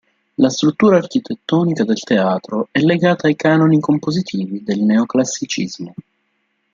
La struttura architettonica del teatro è legata ai canoni compositivi del neoclassicismo.